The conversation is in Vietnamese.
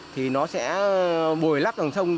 thì nó sẽ bồi lấp dòng sông